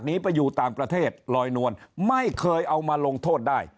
หนีไปอยู่ต่างประเทศลอยนวลไม่เคยเอามาลงโทษได้